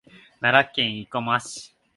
奈良県生駒市